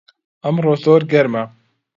ئەمڕۆ زۆر گەرمە